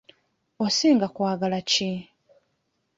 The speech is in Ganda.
Osinga kwagala ki?